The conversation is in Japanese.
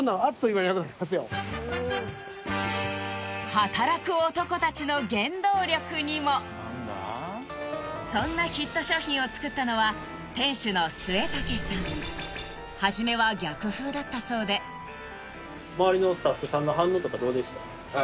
魚屋と八百屋とそんなヒット商品を作ったのは店主の末武さん初めは逆風だったそうで周りのスタッフさんの反応とかどうでした？